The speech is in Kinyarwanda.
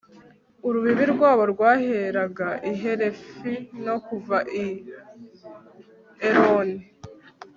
urubibi rwabo rwaheraga i helefi no kuva i eloni